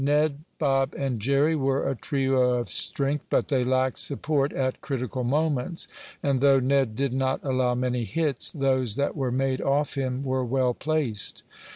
Ned, Bob and Jerry were a trio of strength, but they lacked support at critical moments, and though Ned did not allow many hits, those that were made off him were well placed.